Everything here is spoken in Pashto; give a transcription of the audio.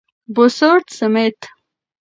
بوسورت سمیت :